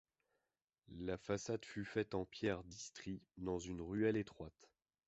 La façade fut faite en pierre d'Istrie dans une ruelle étroite.